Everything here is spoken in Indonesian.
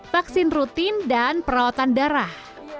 vaksin rutin dan perawatan darah